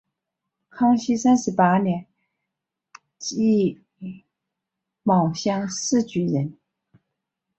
康熙三十八年己卯乡试举人。